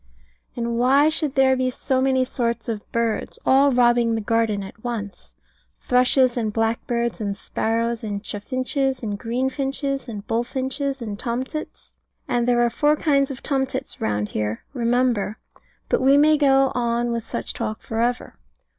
And why should there be so many sorts of birds, all robbing the garden at once? Thrushes, and blackbirds, and sparrows, and chaffinches, and greenfinches, and bullfinches, and tomtits. And there are four kinds of tomtits round here, remember: but we may go on with such talk for ever.